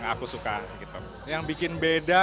aku suka gitu yang bikin beda